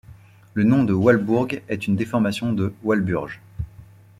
Le nom de Walbourg est une déformation de Walburge.